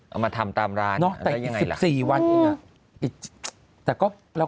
เอามาทำตามร้านน่ะได้ยังไงล่ะนอกแต่๒๔วันอีกแต่ก็